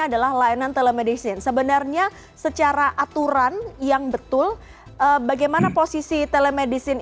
adalah layanan telemedicine sebenarnya secara aturan yang betul bagaimana posisi telemedicine